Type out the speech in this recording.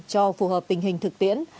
cho phù hợp tình hình thực tiễn